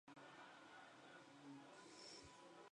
Es decir, la vida.